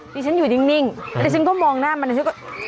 ฉันอยู่นิ่งอันนี้ฉันก็มองหน้ามันฉันก็